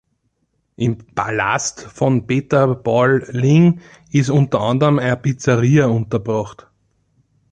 Im „Palast“ von Peter Paul Lingg ist unter anderem eine Pizzeria untergebracht.